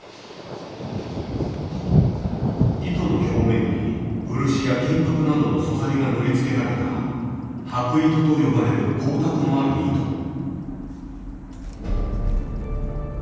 糸の表面に漆や金箔などの素材が塗り付けられた「箔糸」と呼ばれる光沢のある糸。